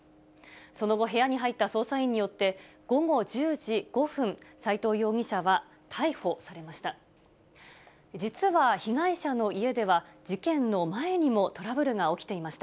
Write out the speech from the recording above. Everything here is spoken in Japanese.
その後、部屋に入った捜査員によって、午後１０時５分、斎藤容疑者は逮捕されました。